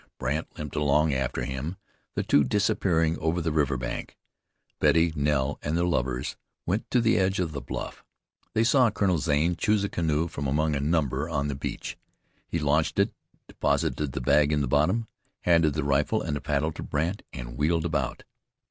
Brandt limped along after him, the two disappearing over the river bank. Betty, Nell, and the lovers went to the edge of the bluff. They saw Colonel Zane choose a canoe from among a number on the beach. He launched it, deposited the bag in the bottom, handed the rifle and paddle to Brandt, and wheeled about.